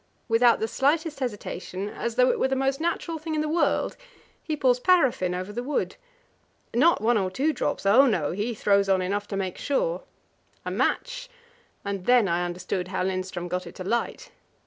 Without the slightest hesitation, as though it were the most natural thing in the world, he pours paraffin over the wood. Not one or two drops oh no; he throws on enough to make sure. A match and then I understood how Lindström got it to light.